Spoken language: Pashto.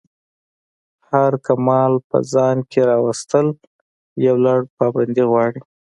هر کمال په ځان کی راویستل یو لَړ پابندی غواړی.